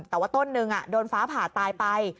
แต่ว่าต้นนึงโดนฟ้าผ่าตายไป